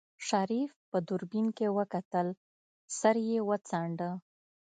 شريف په دوربين کې وکتل سر يې وڅنډه.